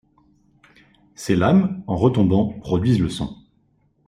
Ces lames, en retombant produisent le son.